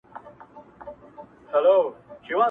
پردېسي خواره خواري ده وچوي د زړګي وینه،